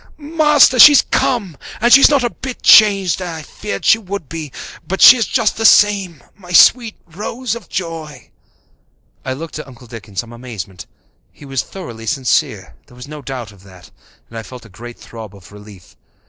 "Master, she's come. And she's not a bit changed. I feared she would be, but she is just the same my sweet little Rose of joy!" I looked at Uncle Dick in some amazement. He was thoroughly sincere, there was no doubt of that, and I felt a great throb of relief.